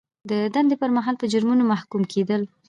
د دندې پر مهال په جرمونو محکوم کیدل.